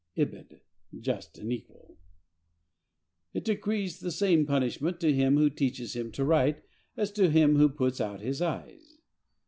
(Ibid.)—Just and equal! It decrees the same punishment to him who teaches him to write as to him who puts out his eyes.